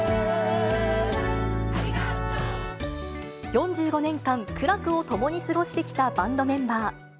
４５年間、苦楽を共に過ごしてきたバンドメンバー。